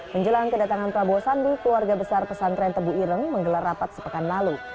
menjelang kedatangan prabowo sandi keluarga besar pesantren tebu ireng menggelar rapat sepekan lalu